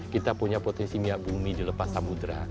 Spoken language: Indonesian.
kita punya potensi minyak bumi dilepas samudera